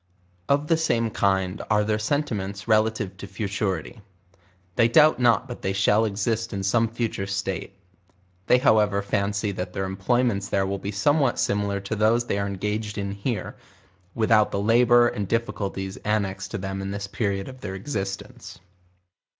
Of the same kind are their sentiments relative to futuri ty. TJaey doubt not but they shall exist ia some future 100 JOURNAL OF state; they however fancy that their employments there will be somewhat similar to those they are engaged in here, with out the labour and difficulties annexed to them in this period of their existence.